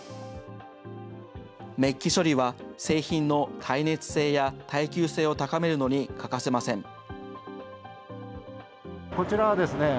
めっき処理は製品の耐熱性や耐久性を高めるのに欠かせません。